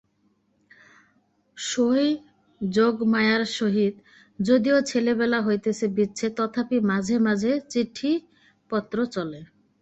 সই যোগমায়ার সহিত যদিও ছেলেবেলা হইতেই বিচ্ছেদ তথাপি মাঝে মাঝে চিঠিপত্র চলে।